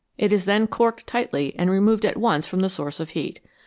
It is then corked tightly and removed at once from the source of heat.